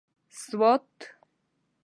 سوات